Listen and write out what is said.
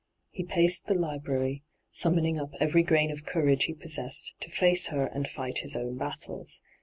He paced the library, sum moning up every grain of courage he possessed to face her and fight his own battles.